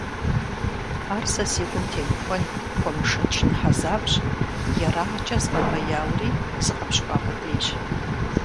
Ар сэ си гум темыхуэн, хуэмышэчын хьэзабщ, ерагъкӀэ згъэбэяури згъэпщкӀуа къудейщ.